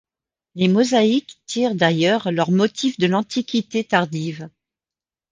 Les mosaïques tirent d'ailleurs leurs motifs de l'antiquité tardive.